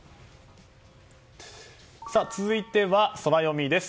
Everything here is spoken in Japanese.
続いてはソラよみです。